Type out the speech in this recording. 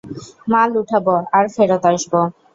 মাল উঠাব, আর ফেরত আসবো।